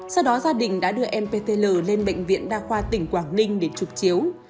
sau đó gia đình đã đưa em ptl lên bệnh viện đa khoa tỉnh quảng ninh để trục chiếu